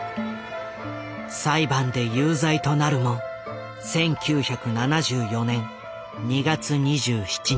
裁判で有罪となるも１９７４年２月２７日。